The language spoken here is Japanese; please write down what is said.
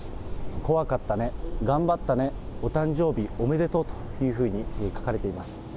怖かったね、頑張ったね、お誕生日おめでとうというふうに書かれています。